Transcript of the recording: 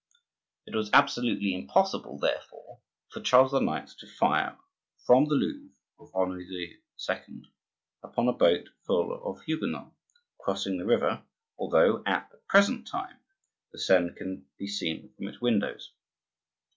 It was absolutely impossible, therefore, for Charles IX. to fire from the Louvre of Henri II. upon a boat full of Huguenots crossing the river, although at the present time the Seine can be seen from its windows.